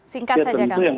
singkat saja kang